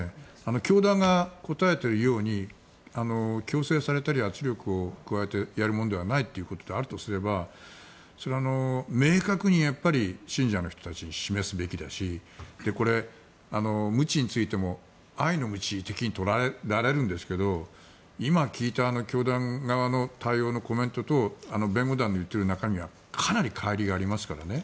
教団が答えているように強制されたり圧力を加えてやるものでないということであるとすれば明確に信者の人たちに示すべきだしこれ、むちについても愛のむち的に捉えられるんですけど今、聞いた教団側の対応のコメントと弁護団の言っている中身はかなりかい離がありますからね。